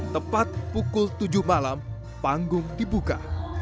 tepat pukul tujuh malam panggung dibuka